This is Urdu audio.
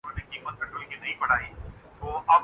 بہرکیف آزمائش شرط ہے ۔